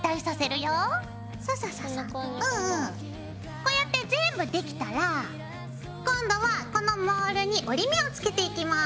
こうやって全部できたら今度はこのモールに折り目をつけていきます。